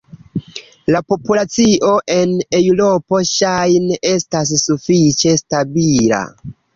La populacio en Eŭropo ŝajne estas sufiĉe stabila.